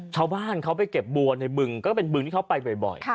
ชาวบ้านเขาไปเก็บบัวในบึงก็เป็นบึงที่เขาไปบ่อย